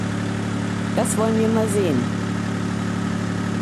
Das wollen wir mal sehen!